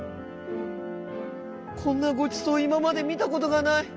「こんなごちそういままでみたことがない。